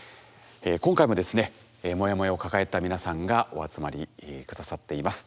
今回もですねモヤモヤを抱えた皆さんがお集まり下さっています。